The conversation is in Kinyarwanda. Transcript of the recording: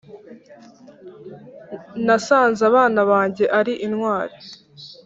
nasanze abana banjye ari intwari